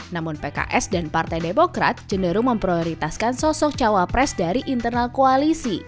namun pks dan partai demokrat cenderung memprioritaskan sosok cawapres dari internal koalisi